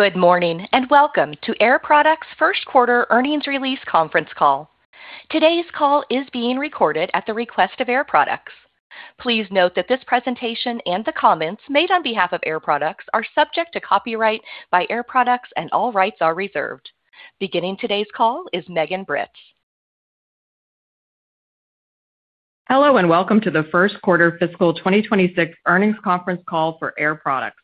Good morning, and welcome to Air Products' First Quarter Earnings Release Conference Call. Today's call is being recorded at the request of Air Products. Please note that this presentation and the comments made on behalf of Air Products are subject to copyright by Air Products and all rights are reserved. Beginning today's call is Megan Britt. Hello, and welcome to the First Quarter Fiscal 2026 Earnings Conference Call for Air Products.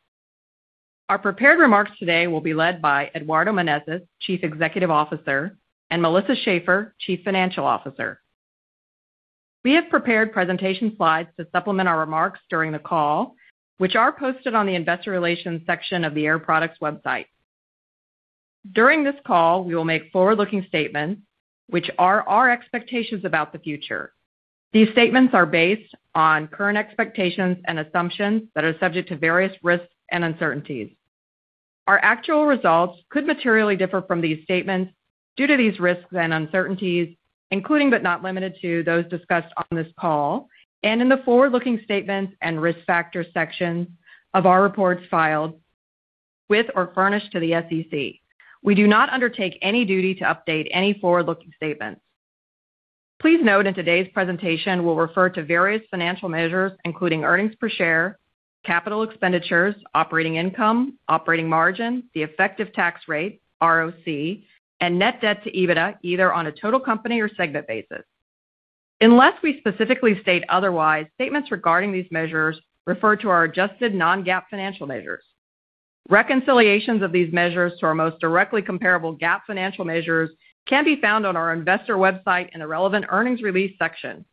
Our prepared remarks today will be led by Eduardo Menezes, Chief Executive Officer, and Melissa Schaeffer, Chief Financial Officer. We have prepared presentation slides to supplement our remarks during the call, which are posted on the investor relations section of the Air Products website. During this call, we will make forward-looking statements, which are our expectations about the future. These statements are based on current expectations and assumptions that are subject to various risks and uncertainties. Our actual results could materially differ from these statements due to these risks and uncertainties, including, but not limited to, those discussed on this call and in the forward-looking statements and risk factors section of our reports filed with or furnished to the SEC. We do not undertake any duty to update any forward-looking statements. Please note in today's presentation, we'll refer to various financial measures, including earnings per share, capital expenditures, operating income, operating margin, the effective tax rate, ROIC, and net debt-to-EBITDA, either on a total company or segment basis. Unless we specifically state otherwise, statements regarding these measures refer to our adjusted non-GAAP financial measures. Reconciliations of these measures to our most directly comparable GAAP financial measures can be found on our investor website in the relevant earnings release section.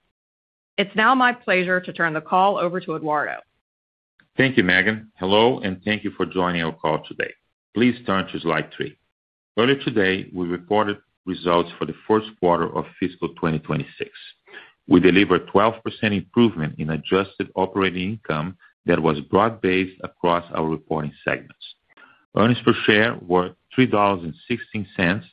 It's now my pleasure to turn the call over to Eduardo. Thank you, Megan. Hello, and thank you for joining our call today. Please turn to slide 3. Earlier today, we reported results for the first quarter of fiscal 2026. We delivered 12% improvement in adjusted operating income that was broad-based across our reporting segments. Earnings per share were $3.16,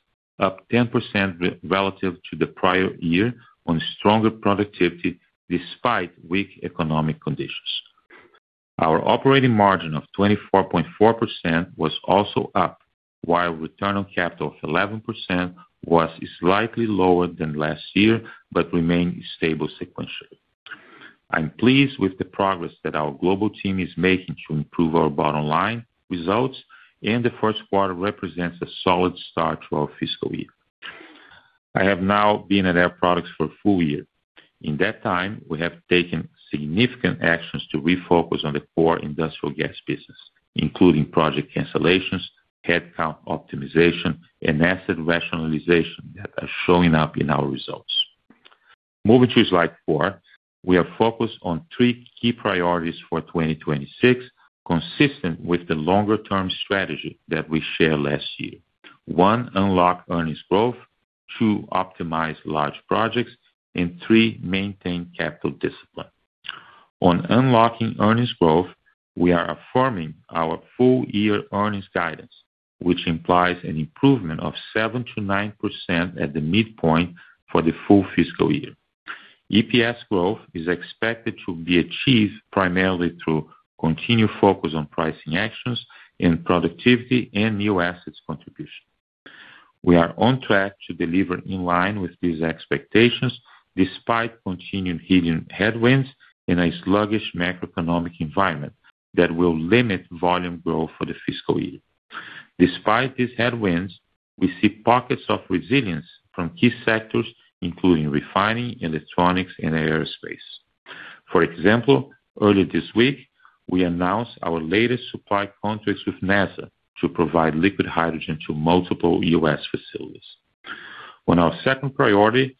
up 10% relative to the prior year on stronger productivity despite weak economic conditions. Our operating margin of 24.4% was also up, while return on capital of 11% was slightly lower than last year, but remained stable sequentially. I'm pleased with the progress that our global team is making to improve our bottom line results, and the first quarter represents a solid start to our fiscal year. I have now been at Air Products for a full year. In that time, we have taken significant actions to refocus on the core industrial gas business, including project cancellations, headcount optimization, and asset rationalization that are showing up in our results. Moving to slide 4, we are focused on three key priorities for 2026, consistent with the longer-term strategy that we shared last year. One, unlock earnings growth, two, optimize large projects, and three, maintain capital discipline. On unlocking earnings growth, we are affirming our full year earnings guidance, which implies an improvement of 7%-9% at the midpoint for the full fiscal year. EPS growth is expected to be achieved primarily through continued focus on pricing actions and productivity and new assets contribution. We are on track to deliver in line with these expectations, despite continuing helium headwinds in a sluggish macroeconomic environment that will limit volume growth for the fiscal year. Despite these headwinds, we see pockets of resilience from key sectors, including refining, electronics, and aerospace. For example, earlier this week, we announced our latest supply contracts with NASA to provide liquid hydrogen to multiple U.S. facilities. On our second priority,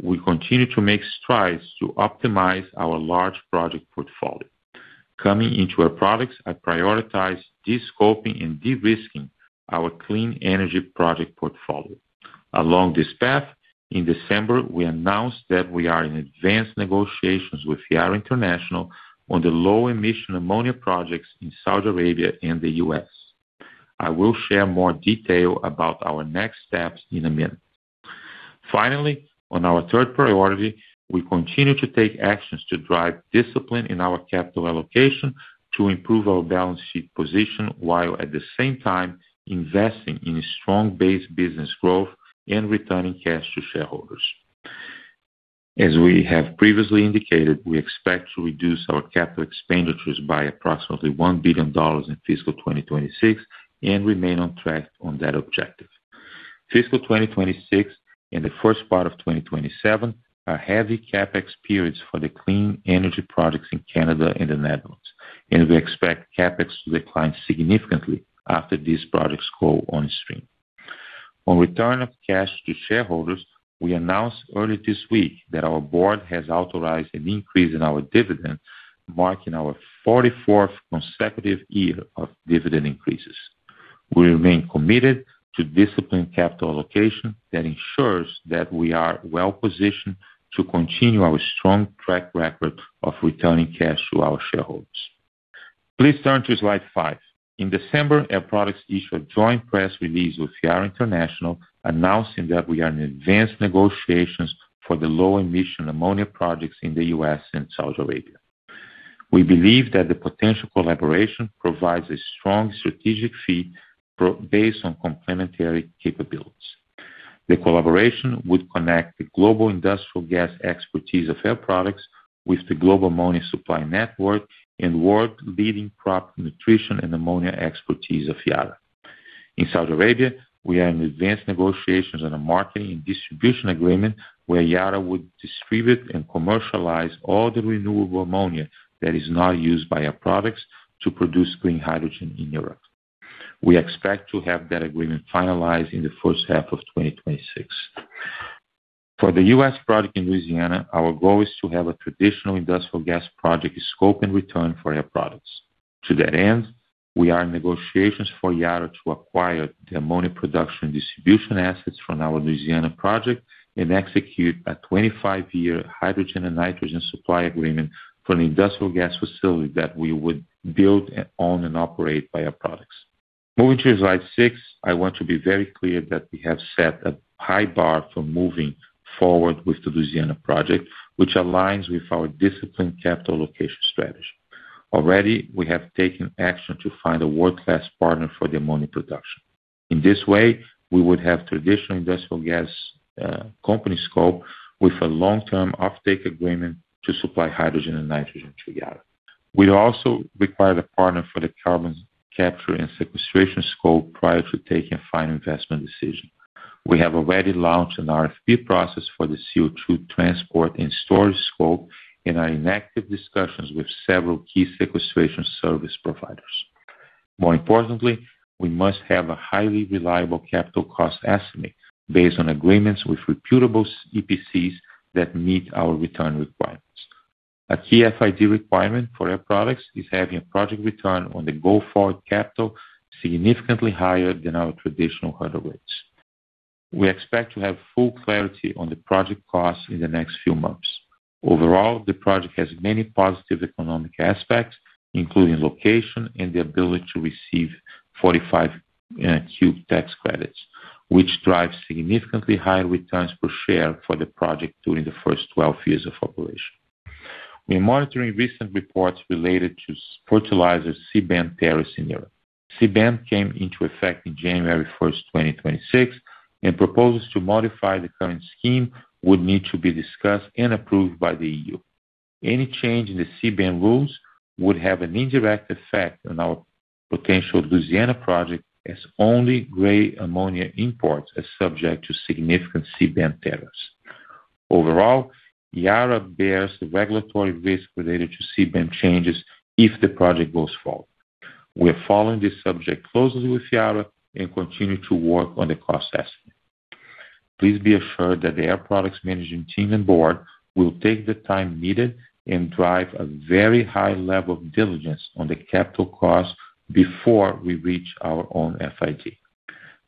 we continue to make strides to optimize our large project portfolio. Coming into Air Products, I prioritize de-scoping and de-risking our clean energy project portfolio. Along this path, in December, we announced that we are in advanced negotiations with Yara International on the low-emission ammonia projects in Saudi Arabia and the U.S. I will share more detail about our next steps in a minute. Finally, on our third priority, we continue to take actions to drive discipline in our capital allocation to improve our balance sheet position, while at the same time investing in a strong base business growth and returning cash to shareholders. As we have previously indicated, we expect to reduce our capital expenditures by approximately $1 billion in fiscal 2026 and remain on track on that objective. Fiscal 2026 and the first part of 2027 are heavy CapEx periods for the clean energy projects in Canada and the Netherlands, and we expect CapEx to decline significantly after these products go on stream. On return of cash to shareholders, we announced earlier this week that our board has authorized an increase in our dividend, marking our 44th consecutive year of dividend increases. We remain committed to disciplined capital allocation that ensures that we are well positioned to continue our strong track record of returning cash to our shareholders. Please turn to slide 5. In December, Air Products issued a joint press release with Yara International, announcing that we are in advanced negotiations for the low-emission ammonia projects in the U.S. and Saudi Arabia. We believe that the potential collaboration provides a strong strategic fit based on complementary capabilities. The collaboration would connect the global industrial gas expertise of Air Products with the global ammonia supply network and world-leading crop nutrition and ammonia expertise of Yara. In Saudi Arabia, we are in advanced negotiations on a marketing and distribution agreement where Yara would distribute and commercialize all the renewable ammonia that is now used by Air Products to produce green hydrogen in Europe. We expect to have that agreement finalized in the first half of 2026. For the U.S. project in Louisiana, our goal is to have a traditional industrial gas project scope and return for Air Products. To that end, we are in negotiations for Yara to acquire the ammonia production distribution assets from our Louisiana project and execute a 25-year hydrogen and nitrogen supply agreement for an industrial gas facility that we would build, and own, and operate by Air Products. Moving to slide 6, I want to be very clear that we have set a high bar for moving forward with the Louisiana project, which aligns with our disciplined capital allocation strategy. Already, we have taken action to find a world-class partner for the ammonia production. In this way, we would have traditional industrial gas company scope with a long-term offtake agreement to supply hydrogen and nitrogen together. We also require the partner for the carbon capture and sequestration scope prior to taking a final investment decision. We have already launched an RFP process for the CO2 transport and storage scope and are in active discussions with several key sequestration service providers. More importantly, we must have a highly reliable capital cost estimate based on agreements with reputable EPCs that meet our return requirements. A key FID requirement for Air Products is having a project return on the go-forward capital significantly higher than our traditional hurdle rates. We expect to have full clarity on the project costs in the next few months. Overall, the project has many positive economic aspects, including location and the ability to receive 45Q tax credits, which drives significantly higher returns per share for the project during the first 12 years of operation. We are monitoring recent reports related to fertilizers CBAM tariffs in Europe. CBAM came into effect in January 1, 2026, and proposals to modify the current scheme would need to be discussed and approved by the EU. Any change in the CBAM rules would have an indirect effect on our potential Louisiana project, as only gray ammonia imports are subject to significant CBAM tariffs. Overall, Yara bears the regulatory risk related to CBAM changes if the project goes forward. We're following this subject closely with Yara and continue to work on the cost estimate. Please be assured that the Air Products management team and board will take the time needed and drive a very high level of diligence on the capital costs before we reach our own FID.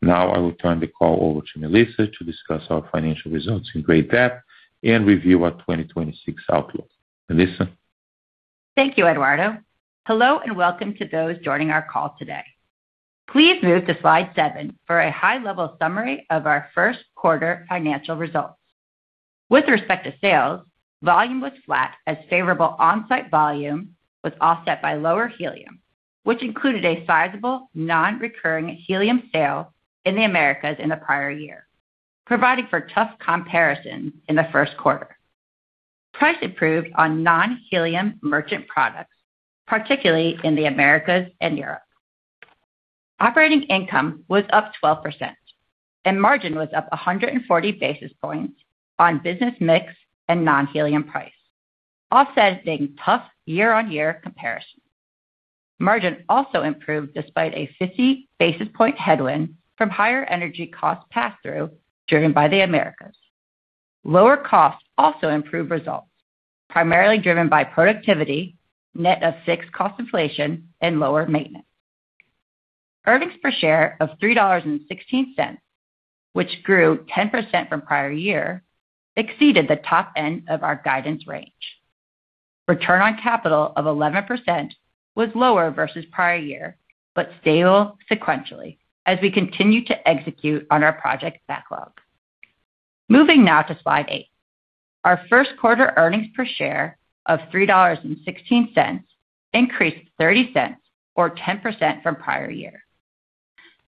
Now, I will turn the call over to Melissa to discuss our financial results in great depth and review our 2026 outlook. Melissa? Thank you, Eduardo. Hello, and welcome to those joining our call today. Please move to slide 7 for a high-level summary of our first quarter financial results. With respect to sales, volume was flat as favorable on-site volume was offset by lower helium, which included a sizable non-recurring helium sale in the Americas in the prior year, providing for tough comparison in the first quarter. Price improved on non-helium merchant products, particularly in the Americas and Europe. Operating income was up 12%, and margin was up 140 basis points on business mix and non-helium price, offsetting tough year-on-year comparison. Margin also improved despite a 50 basis point headwind from higher energy costs pass-through, driven by the Americas. Lower costs also improved results, primarily driven by productivity, net of fixed cost inflation, and lower maintenance. Earnings per share of $3.16, which grew 10% from prior year, exceeded the top end of our guidance range. Return on Capital of 11% was lower versus prior year, but stable sequentially as we continue to execute on our project backlog. Moving now to slide 8. Our first quarter earnings per share of $3.16 increased $0.30 or 10% from prior year.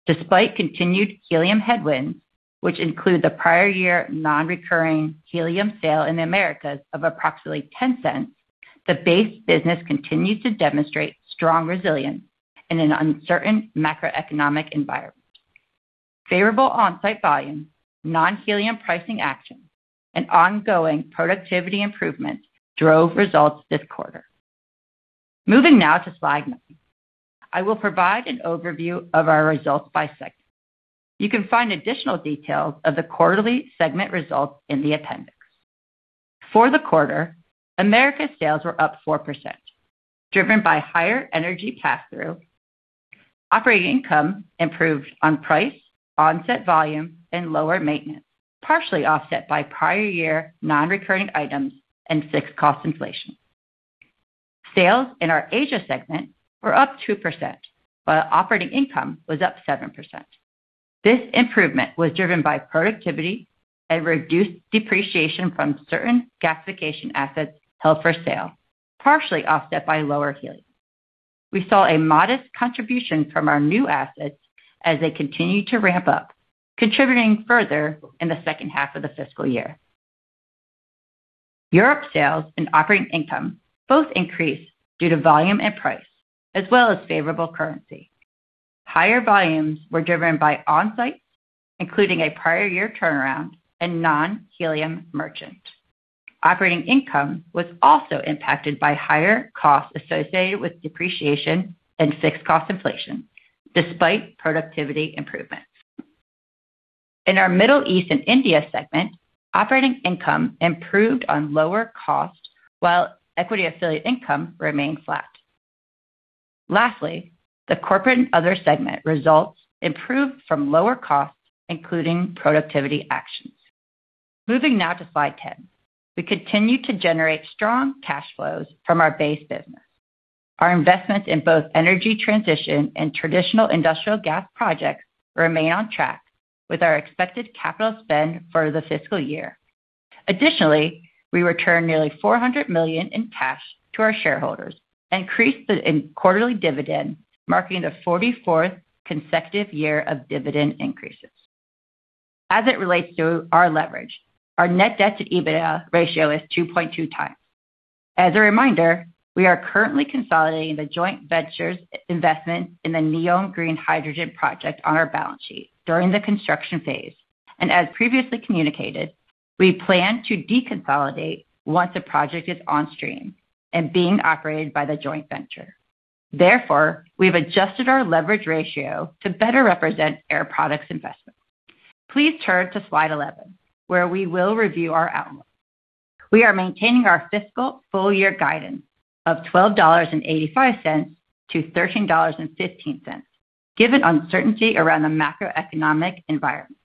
Despite continued helium headwinds, which include the prior year non-recurring helium sale in the Americas of approximately $0.10, the base business continues to demonstrate strong resilience in an uncertain macroeconomic environment. Favorable on-site volume, non-helium pricing actions, and ongoing productivity improvements drove results this quarter. Moving now to slide 9. I will provide an overview of our results by segment. You can find additional details of the quarterly segment results in the appendix. For the quarter, Americas sales were up 4%, driven by higher energy pass-through. Operating income improved on price, on-site volume, and lower maintenance, partially offset by prior year non-recurring items and fixed cost inflation. Sales in our Asia segment were up 2%, while operating income was up 7%. This improvement was driven by productivity and reduced depreciation from certain gasification assets held for sale, partially offset by lower helium. We saw a modest contribution from our new assets as they continued to ramp up, contributing further in the second half of the fiscal year. Europe sales and operating income both increased due to volume and price, as well as favorable currency. Higher volumes were driven by on-site, including a prior year turnaround and non-helium merchant. Operating income was also impacted by higher costs associated with depreciation and fixed cost inflation, despite productivity improvements. In our Middle East and India segment, operating income improved on lower cost, while equity affiliate income remained flat. Lastly, the corporate and other segment results improved from lower costs, including productivity actions. Moving now to slide 10. We continue to generate strong cash flows from our base business. Our investments in both energy transition and traditional industrial gas projects remain on track with our expected capital spend for the fiscal year. Additionally, we returned nearly $400 million in cash to our shareholders, increased the quarterly dividend, marking the 44th consecutive year of dividend increases. As it relates to our leverage, our net debt-to-EBITDA ratio is 2.2x. As a reminder, we are currently consolidating the joint venture's investment in the NEOM Green Hydrogen Project on our balance sheet during the construction phase. As previously communicated, we plan to deconsolidate once the project is on stream and being operated by the joint venture. Therefore, we've adjusted our leverage ratio to better represent Air Products investment. Please turn to slide 11, where we will review our outlook. We are maintaining our fiscal full year guidance of $12.85-$13.15, given uncertainty around the macroeconomic environment.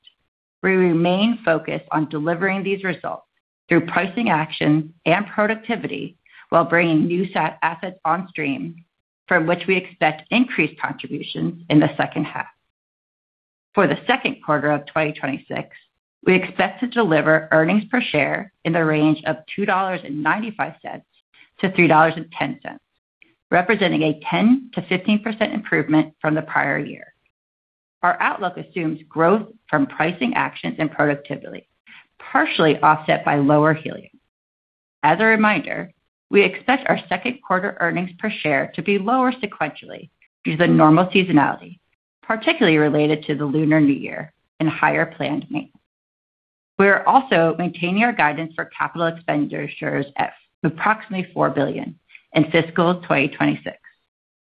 We remain focused on delivering these results through pricing actions and productivity, while bringing new-site assets on stream, from which we expect increased contributions in the second half. For the second quarter of 2026, we expect to deliver earnings per share in the range of $2.95-$3.10, representing a 10%-15% improvement from the prior year. Our outlook assumes growth from pricing actions and productivity, partially offset by lower helium. As a reminder, we expect our second quarter earnings per share to be lower sequentially due to the normal seasonality, particularly related to the Lunar New Year and higher planned maintenance. We are also maintaining our guidance for capital expenditures at approximately $4 billion in fiscal 2026,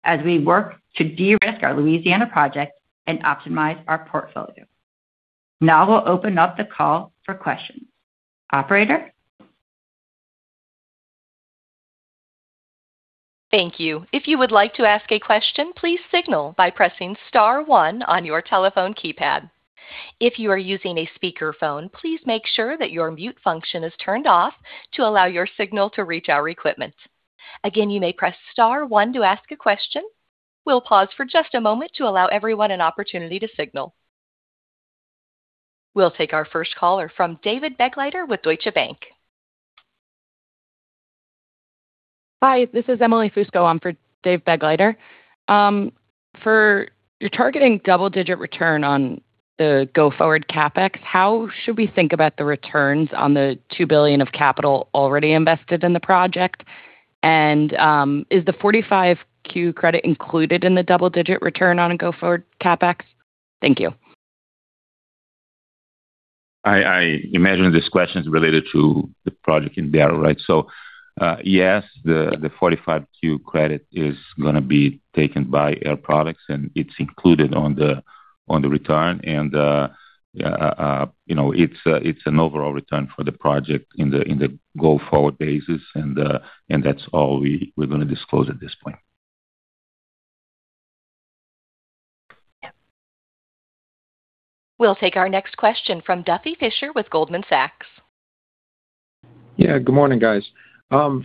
as we work to de-risk our Louisiana project and optimize our portfolio. Now we'll open up the call for questions. Operator? Thank you. If you would like to ask a question, please signal by pressing star one on your telephone keypad. If you are using a speakerphone, please make sure that your mute function is turned off to allow your signal to reach our equipment. Again, you may press star one to ask a question. We'll pause for just a moment to allow everyone an opportunity to signal. We'll take our first caller from David Begleiter with Deutsche Bank. Hi, this is Emily Fusco. I'm for David Begleiter. For you're targeting double-digit return on the go-forward CapEx, how should we think about the returns on the $2 billion of capital already invested in the project? And is the 45Q credit included in the double-digit return on a go-forward CapEx? Thank you. I imagine this question is related to the project in Darrow, right? So, yes, the 45Q credit is gonna be taken by Air Products, and it's included on the return. And, you know, it's an overall return for the project in the go-forward basis, and that's all we're gonna disclose at this point. We'll take our next question from Duffy Fischer with Goldman Sachs. Yeah, good morning, guys.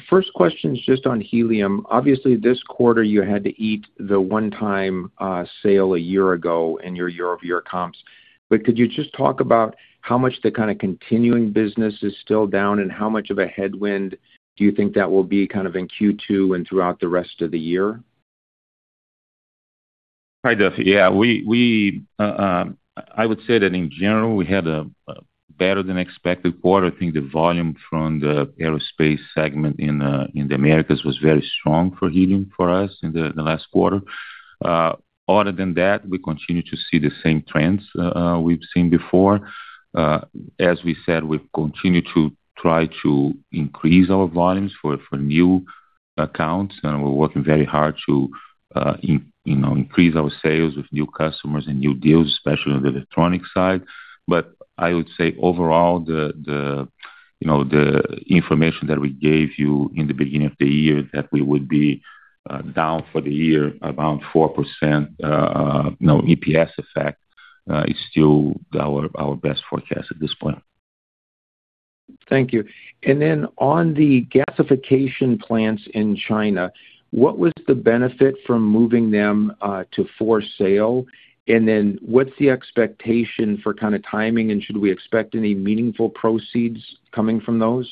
First question is just on helium. Obviously, this quarter, you had to eat the one-time sale a year ago in your year-over-year comps. But could you just talk about how much the kind of continuing business is still down, and how much of a headwind do you think that will be kind of in Q2 and throughout the rest of the year? Hi, Duffy. Yeah, we had a better than expected quarter. I think the volume from the aerospace segment in the Americas was very strong for helium for us in the last quarter. Other than that, we continue to see the same trends we've seen before. As we said, we've continued to try to increase our volumes for new accounts, and we're working very hard to, you know, increase our sales with new customers and new deals, especially on the electronic side. But I would say overall, you know, the information that we gave you in the beginning of the year, that we would be down for the year, around 4%, you know, EPS effect, is still our best forecast at this point. Thank you. And then on the gasification plants in China, what was the benefit from moving them to for sale? And then what's the expectation for kind of timing, and should we expect any meaningful proceeds coming from those?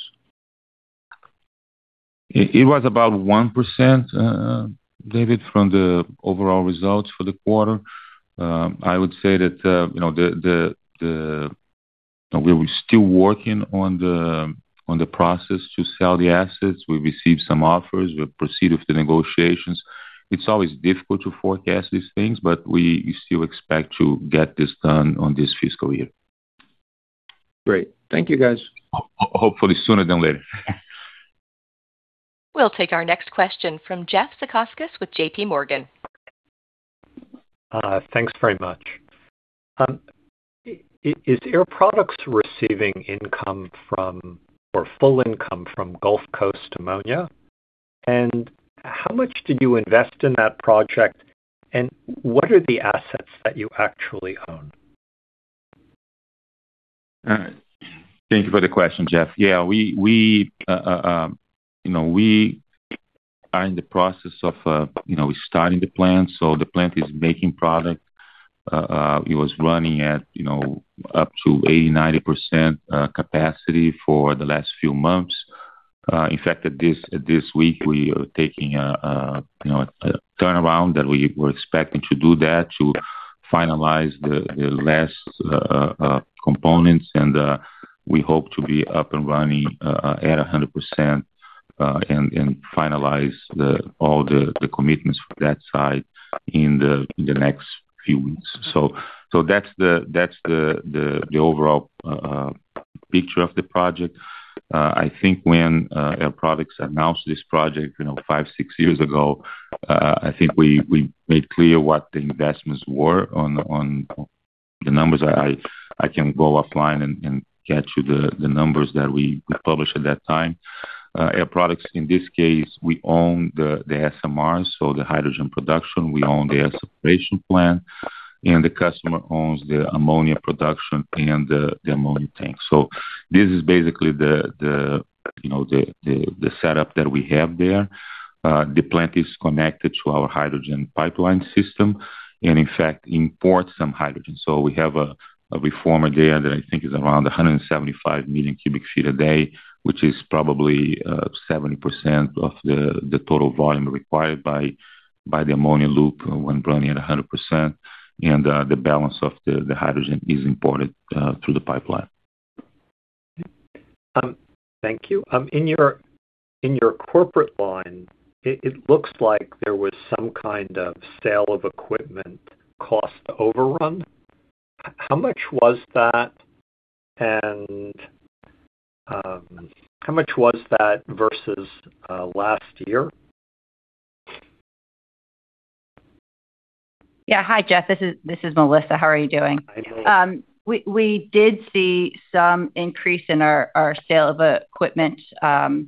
It was about 1%, David, from the overall results for the quarter. I would say that, you know, we're still working on the process to sell the assets. We've received some offers. We've proceeded with the negotiations. It's always difficult to forecast these things, but we still expect to get this done on this fiscal year. Great. Thank you, guys. Hopefully sooner than later. We'll take our next question from Jeff Zekauskas with JPMorgan. Thanks very much. Is Air Products receiving income from, or full income from Gulf Coast Ammonia? And how much did you invest in that project, and what are the assets that you actually own? Thank you for the question, Jeff. Yeah, we, we, you know, we are in the process of, you know, starting the plant. So the plant is making product. It was running at, you know, up to 80-90% capacity for the last few months. In fact, at this, this week, we are taking a, a, you know, a turnaround that we were expecting to do that, to finalize the, the last components, and we hope to be up and running at 100%, and, and finalize all the commitments for that site in the, in the next few weeks. So, so that's the, that's the, the, the overall picture of the project. I think when Air Products announced this project, you know, five, six years ago, I think we made clear what the investments were on, on the numbers. I can go offline and get you the numbers that we published at that time. Air Products, in this case, we own the SMRs, so the hydrogen production, we own the air separation plant, and the customer owns the ammonia production and the ammonia tank. So this is basically the, you know, the setup that we have there. The plant is connected to our hydrogen pipeline system and in fact, imports some hydrogen. So we have a reformer there that I think is around 175 million cubic feet a day, which is probably 70% of the total volume required by the ammonia loop when running at 100%, and the balance of the hydrogen is imported through the pipeline. Thank you. In your corporate line, it looks like there was some kind of sale of equipment cost overrun. How much was that? And, how much was that versus last year? Yeah. Hi, Jeff. This is, this is Melissa. How are you doing? Hi, Melissa. We did see some increase in our sale of equipment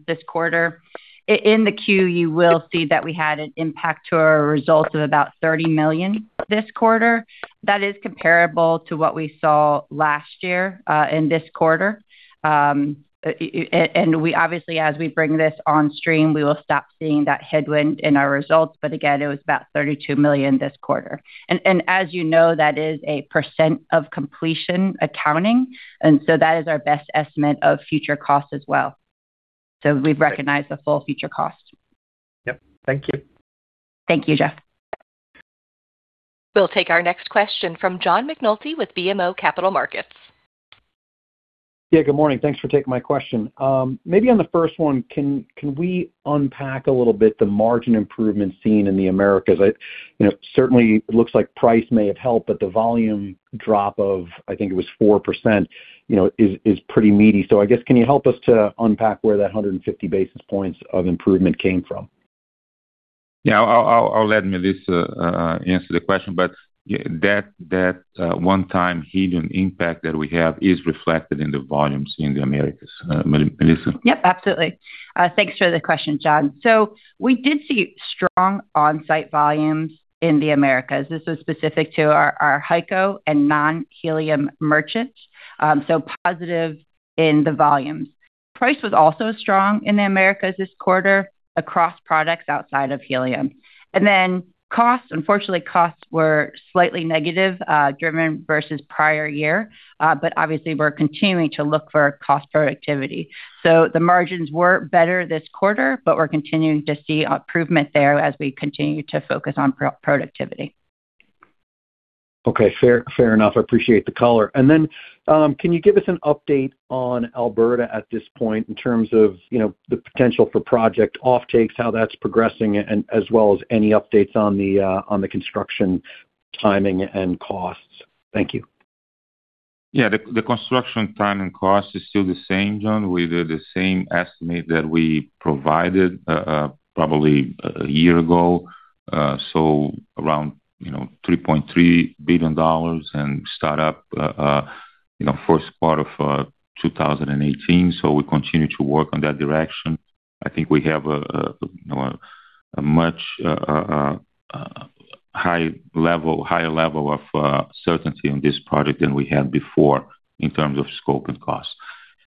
this quarter. In the Q, you will see that we had an impact to our results of about $30 million this quarter. That is comparable to what we saw last year in this quarter. And we obviously, as we bring this on stream, we will stop seeing that headwind in our results, but again, it was about $32 million this quarter. And as you know, that is a percent of completion accounting, and so that is our best estimate of future costs as well. So we've recognized the full future cost. Yep. Thank you. Thank you, Jeff. We'll take our next question from John McNulty with BMO Capital Markets. Yeah, good morning. Thanks for taking my question. Maybe on the first one, can we unpack a little bit the margin improvement seen in the Americas? I, you know, certainly looks like price may have helped, but the volume drop of, I think it was 4%, you know, is pretty meaty. So I guess, can you help us to unpack where that 150 basis points of improvement came from? Yeah. I'll let Melissa answer the question, but yeah, that one-time helium impact that we have is reflected in the volumes in the Americas. Melissa? Yep, absolutely. Thanks for the question, John. So we did see strong on-site volumes in the Americas. This was specific to our, our HyCO and non-helium merchants, so positive in the volumes. Price was also strong in the Americas this quarter across products outside of helium. And then costs, unfortunately, costs were slightly negative, driven versus prior year, but obviously we're continuing to look for cost productivity. So the margins were better this quarter, but we're continuing to see improvement there as we continue to focus on productivity. Okay. Fair, fair enough. I appreciate the color. And then, can you give us an update on Alberta at this point in terms of, you know, the potential for project offtakes, how that's progressing, and as well as any updates on the, on the construction timing and costs? Thank you. Yeah, the construction time and cost is still the same, John. We did the same estimate that we provided, probably a year ago. So around, you know, $3.3 billion and start up, you know, first part of 2018. So we continue to work on that direction. I think we have a, you know, a much higher level of certainty on this project than we had before in terms of scope and cost.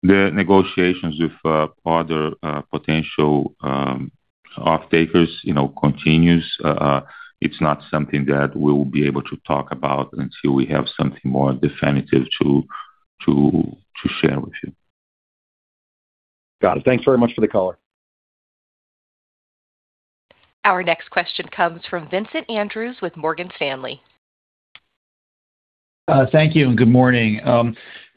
The negotiations with other potential off-takers, you know, continues. It's not something that we will be able to talk about until we have something more definitive to share with you. Got it. Thanks very much for the call. Our next question comes from Vincent Andrews with Morgan Stanley. Thank you, and good morning.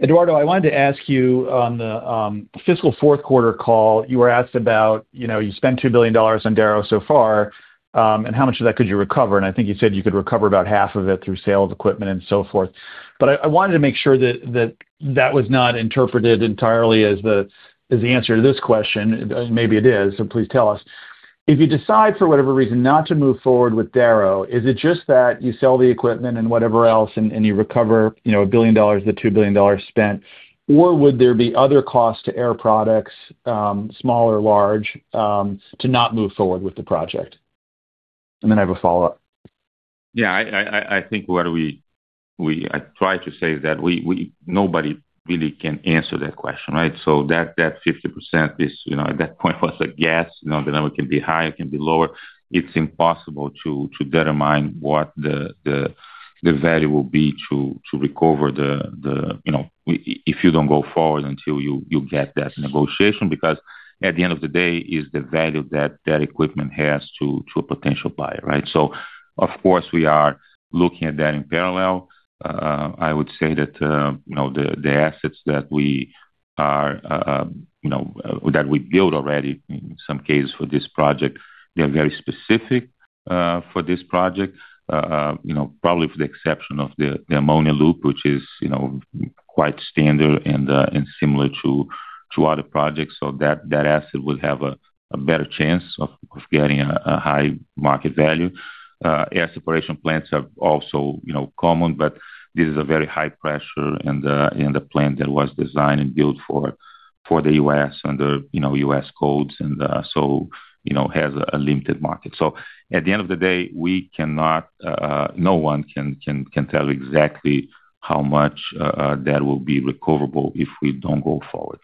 Eduardo, I wanted to ask you on the fiscal fourth quarter call, you were asked about, you know, you spent $2 billion on Darrow so far, and how much of that could you recover? And I think you said you could recover about half of it through sale of equipment and so forth. But I wanted to make sure that that was not interpreted entirely as the answer to this question. Maybe it is, so please tell us. If you decide, for whatever reason, not to move forward with Darrow, is it just that you sell the equipment and whatever else, and you recover, you know, $1 billion, the $2 billion spent, or would there be other costs to Air Products, small or large, to not move forward with the project? And then I have a follow-up. Yeah, I think what we. I tried to say that we. nobody really can answer that question, right? So that 50% is, you know, at that point, was a guess. You know, the number can be higher, it can be lower. It's impossible to determine what the value will be to recover the, you know, if you don't go forward until you get that negotiation, because at the end of the day, it's the value that that equipment has to a potential buyer, right? So of course, we are looking at that in parallel. I would say that, you know, the assets that we are, you know, that we built already in some cases for this project, they are very specific for this project. You know, probably for the exception of the ammonia loop, which is, you know, quite standard and similar to other projects. So that asset would have a better chance of getting a high market value. Air separation plants are also, you know, common, but this is a very high pressure in the plant that was designed and built for the U.S. and the, you know, U.S. codes, and so, you know, has a limited market. So at the end of the day, we cannot. no one can tell exactly how much that will be recoverable if we don't go forward.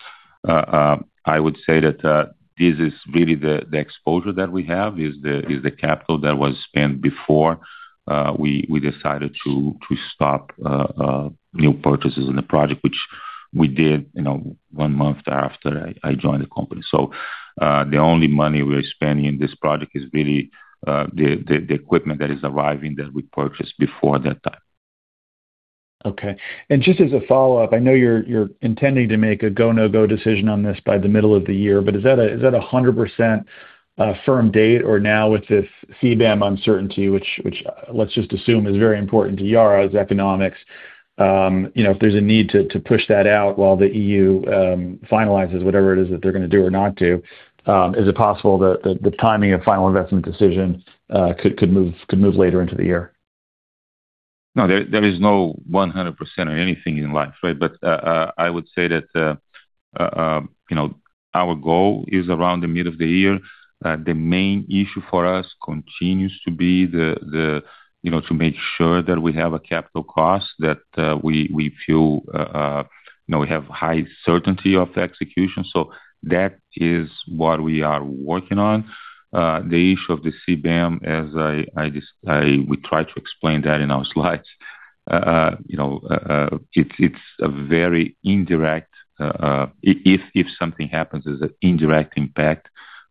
I would say that this is really the exposure that we have, is the capital that was spent before we decided to stop new purchases in the project, which we did, you know, one month after I joined the company. So, the only money we're spending in this project is really the equipment that is arriving that we purchased before that time. Okay. Just as a follow-up, I know you're intending to make a go, no-go decision on this by the middle of the year, but is that a hundred percent firm date, or now with this CBAM uncertainty, which, let's just assume, is very important to Yara's economics, you know, if there's a need to push that out while the EU finalizes whatever it is that they're gonna do or not do, is it possible that the timing of final investment decision could move later into the year? No, there is no 100% on anything in life, right? But I would say that, you know, our goal is around the middle of the year. The main issue for us continues to be the, you know, to make sure that we have a capital cost that we feel, you know, we have high certainty of the execution. So that is what we are working on. The issue of the CBAM, as I – we try to explain that in our slides. You know, it's a very indirect. If something happens, there's an indirect impact,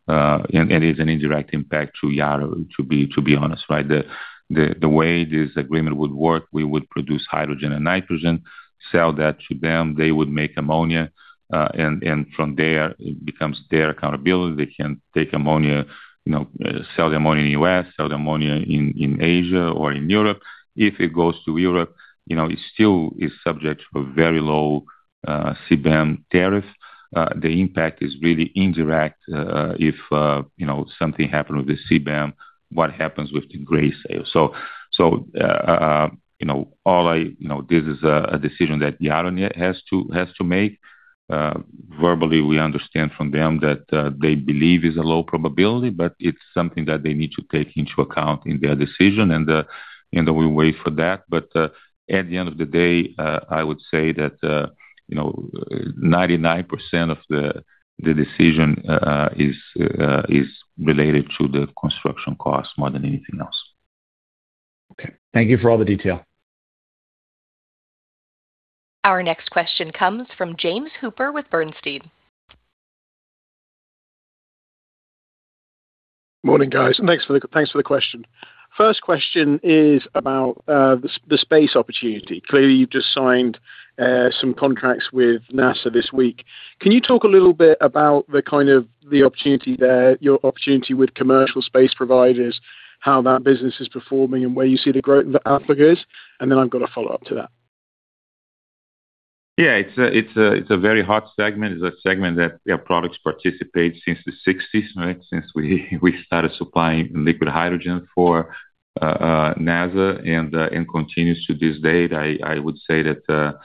and it is an indirect impact to Yara, to be honest, right? The way this agreement would work, we would produce hydrogen and nitrogen, sell that to them, they would make ammonia, and from there, it becomes their accountability. They can take ammonia, you know, sell the ammonia in the US, sell the ammonia in Asia or in Europe. If it goes to Europe, you know, it still is subject to a very low CBAM tariff. The impact is really indirect, if you know, something happened with the CBAM, what happens with the gray sale? So, you know, all I. You know, this is a decision that Yara has to make. Verbally, we understand from them that they believe it's a low probability, but it's something that they need to take into account in their decision, and we wait for that. At the end of the day, I would say that, you know, 99% of the decision is related to the construction cost more than anything else. Okay. Thank you for all the detail. Our next question comes from James Hooper with Bernstein. Morning, guys. Thanks for the, thanks for the question. First question is about the space opportunity. Clearly, you've just signed some contracts with NASA this week. Can you talk a little bit about the kind of the opportunity there, your opportunity with commercial space providers, how that business is performing and where you see the growth output is? And then I've got a follow-up to that. Yeah, it's a very hot segment. It's a segment that Air Products participates since the 1960s, right? Since we started supplying liquid hydrogen for NASA, and continues to this date. I would say that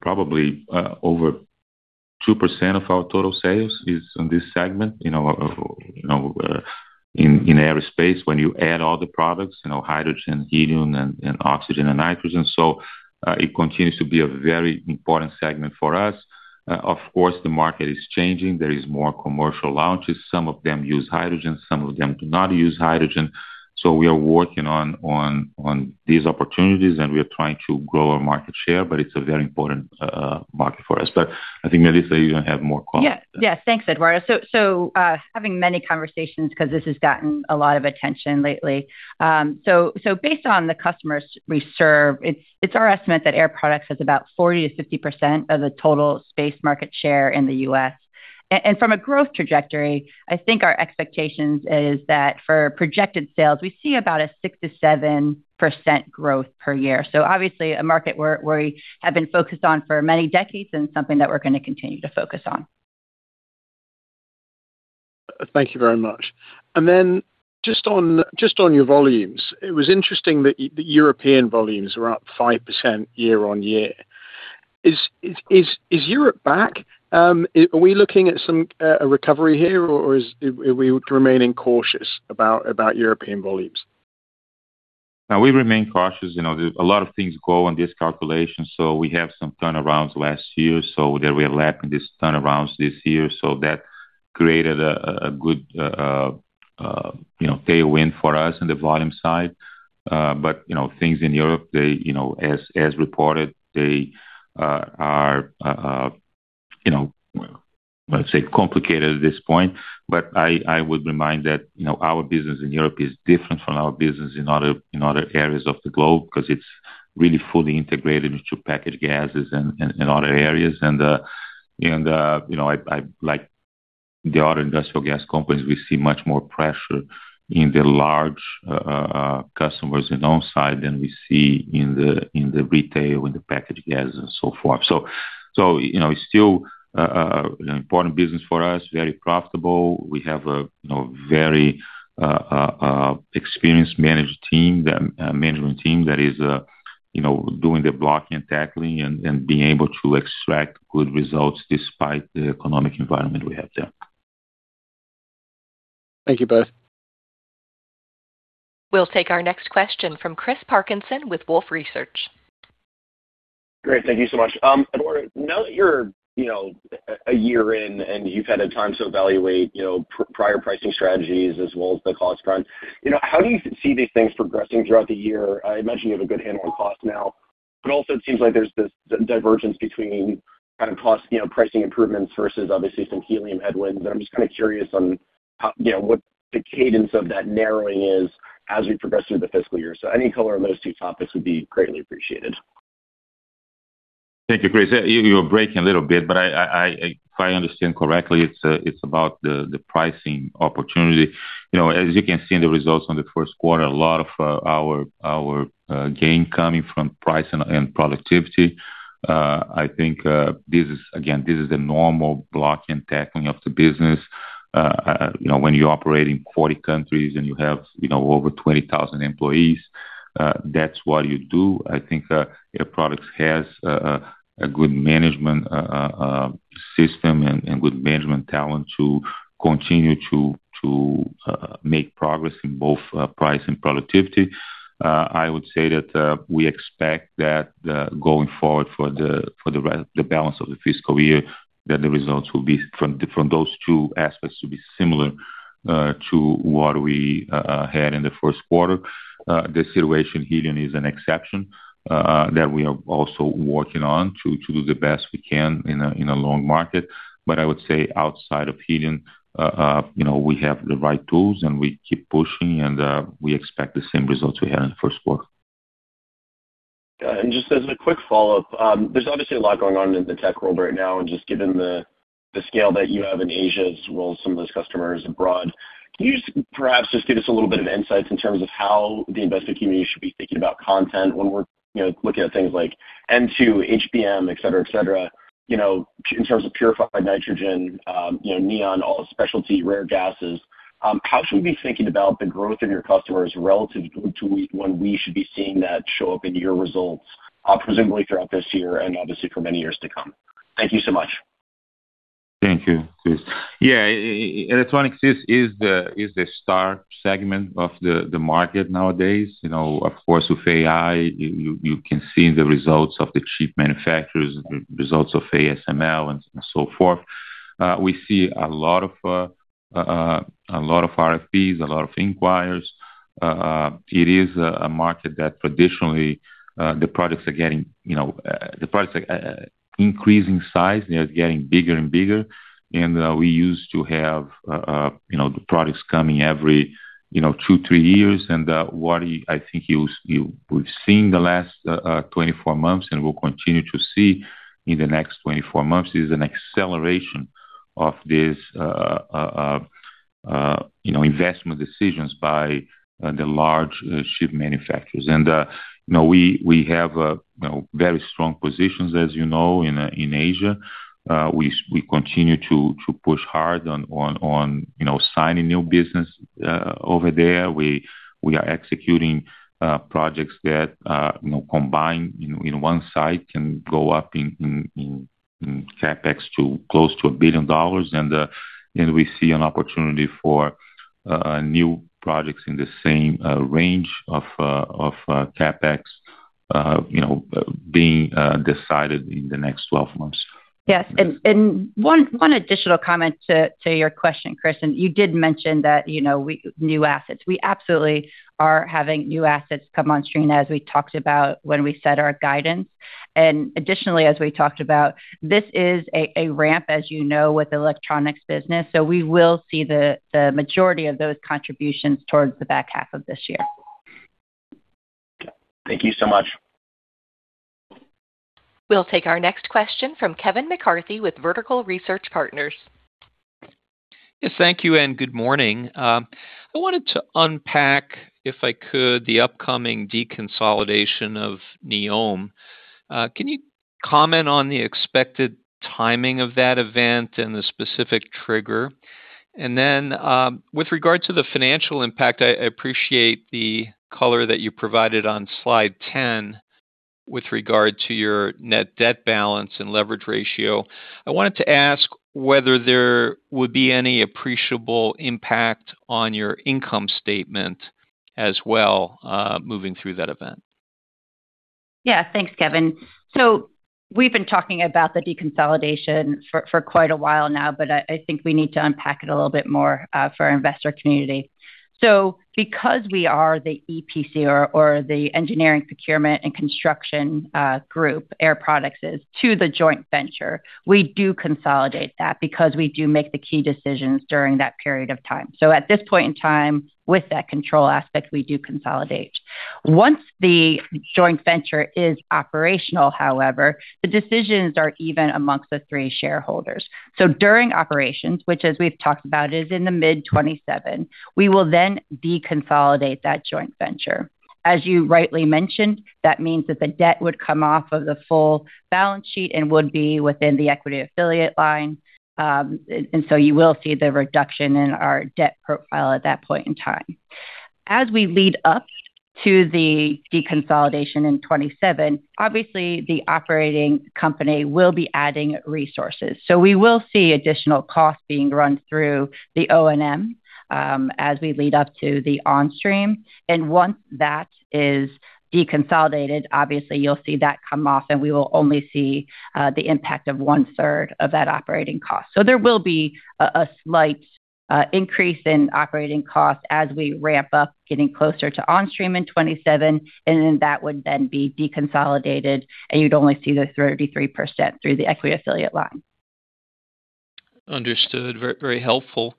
probably over 2% of our total sales is on this segment, you know, in aerospace, when you add all the products, you know, hydrogen, helium, and oxygen and nitrogen. So it continues to be a very important segment for us. Of course, the market is changing. There is more commercial launches. Some of them use hydrogen, some of them do not use hydrogen. So we are working on these opportunities, and we are trying to grow our market share, but it's a very important market for us. But I think, Melissa, you have more comments. Yeah, yeah. Thanks, Eduardo. So, having many conversations, 'cause this has gotten a lot of attention lately. So based on the customers we serve, it's our estimate that Air Products has about 40%-50% of the total space market share in the U.S. And from a growth trajectory, I think our expectations is that for projected sales, we see about a 6%-7% growth per year. So obviously, a market where we have been focused on for many decades and something that we're gonna continue to focus on. Thank you very much. And then just on your volumes, it was interesting that the European volumes are up 5% year-on-year. Is Europe back? Are we looking at some a recovery here, or are we remaining cautious about European volumes? Now, we remain cautious. You know, there's a lot of things go on this calculation, so we have some turnarounds last year, so there we are lacking this turnarounds this year, so that created a good, you know, tailwind for us on the volume side. But, you know, things in Europe, they, you know, as reported, they are, you know, let's say complicated at this point. But I would remind that, you know, our business in Europe is different from our business in other areas of the globe, 'cause it's really fully integrated into package gases and other areas. You know, like the other industrial gas companies, we see much more pressure in the large customers in on-site than we see in the retail, in the package gas and so forth. So, you know, it's still an important business for us, very profitable. We have a, you know, very experienced management team, management team that is, you know, doing the blocking and tackling and being able to extract good results despite the economic environment we have there. Thank you, both. We'll take our next question from Chris Parkinson with Wolfe Research. Great. Thank you so much. Eduardo, now that you're, you know, a year in, and you've had a time to evaluate, you know, prior pricing strategies as well as the cost front, you know, how do you see these things progressing throughout the year? I imagine you have a good handle on cost now, but also it seems like there's this divergence between kind of cost, you know, pricing improvements versus obviously some helium headwinds. But I'm just kind of curious on how, you know, what the cadence of that narrowing is as we progress through the fiscal year. So any color on those two topics would be greatly appreciated. Thank you, Chris. You were breaking a little bit, but if I understand correctly, it's about the pricing opportunity. You know, as you can see in the results on the first quarter, a lot of our gain coming from price and productivity. I think this is, again, this is a normal block and tackling of the business. You know, when you operate in 40 countries and you have, you know, over 20,000 employees, that's what you do. I think Air Products has a good management system and good management talent to continue to make progress in both price and productivity. I would say that we expect that going forward for the balance of the fiscal year, that the results will be from those two aspects to be similar to what we had in the first quarter. The situation in helium is an exception that we are also working on, to do the best we can in a long market. But I would say outside of helium, you know, we have the right tools, and we keep pushing, and we expect the same results we had in the first quarter. And just as a quick follow-up, there's obviously a lot going on in the tech world right now, and just given the scale that you have in Asia, as well as some of those customers abroad, can you just perhaps just give us a little bit of insights in terms of how the investment community should be thinking about content when we're, you know, looking at things like N2, HBM, et cetera, et cetera, you know, in terms of purified nitrogen, you know, neon, all specialty, rare gases? How should we be thinking about the growth in your customers relative to when we should be seeing that show up in your results, presumably throughout this year and obviously for many years to come? Thank you so much. Thank you, Chris. Yeah, electronics is the star segment of the market nowadays. You know, of course, with AI, you can see in the results of the chip manufacturers, the results of ASML and so forth. We see a lot of RFPs, a lot of inquirers. It is a market that traditionally the products are getting, you know, the products are increasing in size, they're getting bigger and bigger, and we used to have, you know, the products coming every, you know, two, three years. And what I think you we've seen in the last 24 months and will continue to see in the next 24 months is an acceleration of this, you know, investment decisions by the large chip manufacturers. You know, we have very strong positions, as you know, in Asia. We continue to push hard on signing new business over there. We are executing projects that you know combine in one site can go up in CapEx to close to $1 billion, and we see an opportunity for new products in the same range of CapEx, you know, being decided in the next 12 months. Yes, and one additional comment to your question, Chris, and you did mention that, you know, new assets. We absolutely are having new assets come on stream, as we talked about when we set our guidance. And additionally, as we talked about, this is a ramp, as you know, with electronics business, so we will see the majority of those contributions towards the back half of this year. Thank you so much. We'll take our next question from Kevin McCarthy with Vertical Research Partners. Yes, thank you, and good morning. I wanted to unpack, if I could, the upcoming deconsolidation of NEOM. Can you comment on the expected timing of that event and the specific trigger? And then, with regard to the financial impact, I, I appreciate the color that you provided on slide 10 with regard to your net debt balance and leverage ratio. I wanted to ask whether there would be any appreciable impact on your income statement as well, moving through that event. Yeah. Thanks, Kevin. So we've been talking about the deconsolidation for quite a while now, but I think we need to unpack it a little bit more for our investor community. So because we are the EPC or the engineering, procurement, and construction group, Air Products is to the joint venture, we do consolidate that because we do make the key decisions during that period of time. So at this point in time, with that control aspect, we do consolidate. Once the joint venture is operational, however, the decisions are even amongst the three shareholders. So during operations, which as we've talked about, is in the mid-2027, we will then deconsolidate that joint venture. As you rightly mentioned, that means that the debt would come off of the full balance sheet and would be within the equity affiliate line. So you will see the reduction in our debt profile at that point in time. As we lead up to the deconsolidation in 2027, obviously, the operating company will be adding resources. So we will see additional costs being run through the O&M, as we lead up to the onstream. And once that is deconsolidated, obviously you'll see that come off, and we will only see the impact of 1/3 of that operating cost. So there will be a slight increase in operating costs as we ramp up, getting closer to onstream in 2027, and then that would then be deconsolidated, and you'd only see the 33% through the equity affiliate line. Understood. Very, very helpful.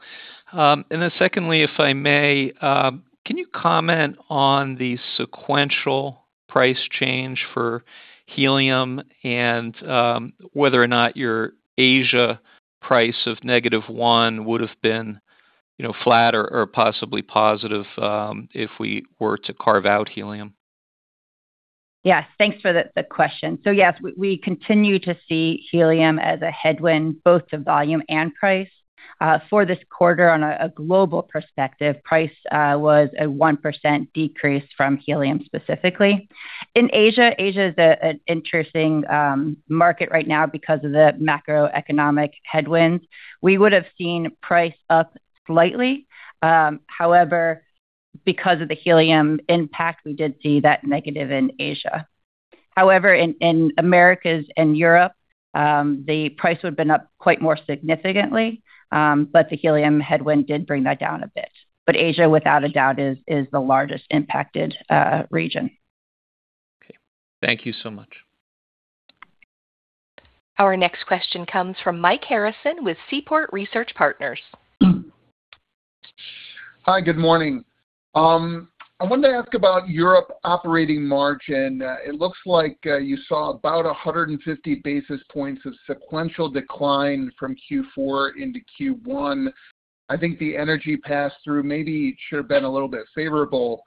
And then secondly, if I may, can you comment on the sequential price change for helium and whether or not your Asia price of -1% would have been, you know, flat or, or possibly positive, if we were to carve out helium? Yes. Thanks for the question. So yes, we continue to see helium as a headwind, both to volume and price. For this quarter, on a global perspective, price was a 1% decrease from helium, specifically. In Asia, Asia is an interesting market right now because of the macroeconomic headwinds. We would have seen price up slightly. However, because of the helium impact, we did see that negative in Asia. However, in Americas and Europe, the price would have been up quite more significantly, but the helium headwind did bring that down a bit. But Asia, without a doubt, is the largest impacted region. Okay. Thank you so much. Our next question comes from Mike Harrison with Seaport Research Partners. Hi, good morning. I wanted to ask about Europe operating margin. It looks like you saw about 150 basis points of sequential decline from Q4 into Q1. I think the energy pass-through maybe should have been a little bit favorable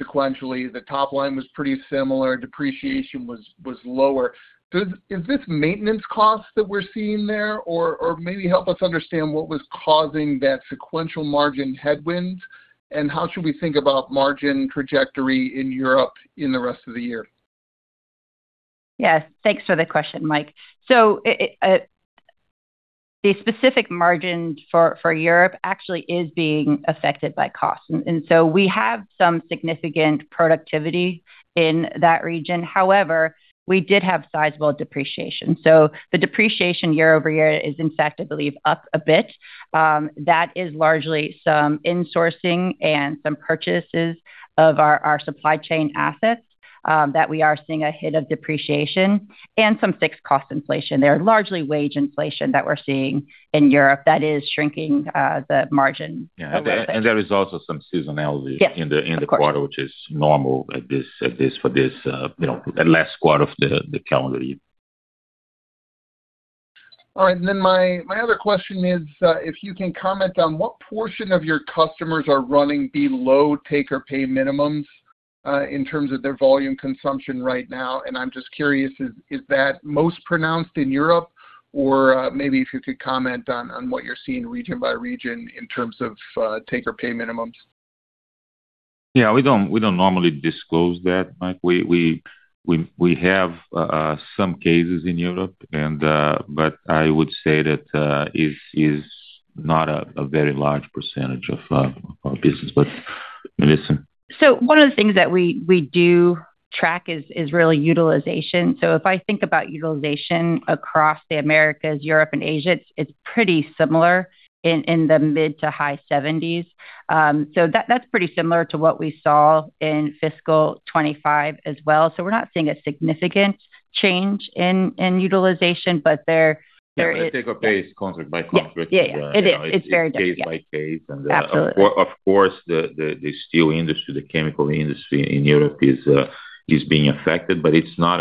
sequentially. The top line was pretty similar. Depreciation was lower. So is this maintenance costs that we're seeing there? Or maybe help us understand what was causing that sequential margin headwinds, and how should we think about margin trajectory in Europe in the rest of the year? Yes, thanks for the question, Mike. So, the specific margin for Europe actually is being affected by cost, and so we have some significant productivity in that region. However, we did have sizable depreciation. So the depreciation year-over-year is, in fact, I believe, up a bit. That is largely some insourcing and some purchases of our supply chain assets that we are seeing a hit of depreciation and some fixed cost inflation. They are largely wage inflation that we're seeing in Europe that is shrinking the margin. Yeah, and there is also some seasonality. Yes. In the quarter, which is normal at this, for this, you know, the last quarter of the calendar year. All right. And then my other question is, if you can comment on what portion of your customers are running below take-or-pay minimums, in terms of their volume consumption right now. And I'm just curious, is that most pronounced in Europe? Or, maybe if you could comment on what you're seeing region by region in terms of take-or-pay minimums. Yeah, we don't, we don't normally disclose that, Mike. We have some cases in Europe and. but I would say that it is not a very large percentage of our business, but Melissa? So one of the things that we do track is really utilization. So if I think about utilization across the Americas, Europe and Asia, it's pretty similar in the mid-to-high 70s. So that's pretty similar to what we saw in fiscal 2025 as well. So we're not seeing a significant change in utilization, but there is. Yeah, they take a case contract by contract. Yeah. Yeah, yeah. It is. It's case by case. Absolutely. Of course, the steel industry, the chemical industry in Europe is being affected, but it's not,